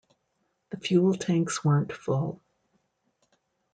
The fuel tanks weren't full.